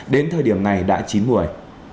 đến thời điểm này đã chín buổi